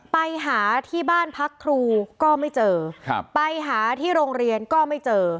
ไปหาที่บ้านพักครูก็ไม่เจอครับไปหาที่โรงเรียนก็ไม่เจอ